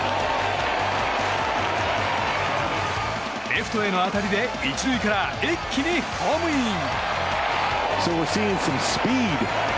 レフトへの当たりで１塁から一気にホームイン！